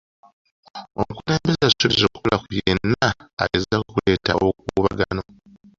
Omukulembeze yasuubiza okukola ku yenna agezaako okuleeta obukuubagano.